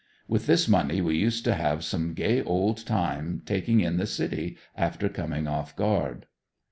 With this money we used to have some gay old times taking in the city after coming off guard.